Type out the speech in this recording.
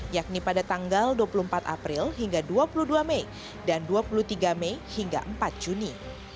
yakni pada tanggal dua puluh empat april hingga dua puluh dua mei dan dua puluh tiga mei hingga empat juni